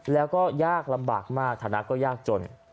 แล้วก็ยากลำบากมากฐานะก็ยากจน